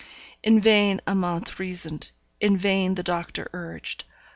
In vain Amante reasoned in vain the doctor urged.